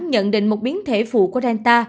nhận định một biến thể phụ của delta